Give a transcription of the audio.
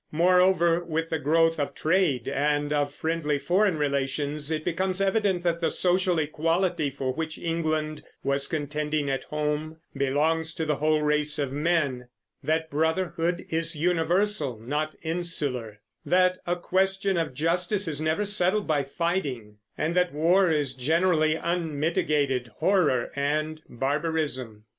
Moreover, with the growth of trade and of friendly foreign relations, it becomes evident that the social equality for which England was contending at home belongs to the whole race of men; that brotherhood is universal, not insular; that a question of justice is never settled by fighting; and that war is generally unmitigated horror and barbarism.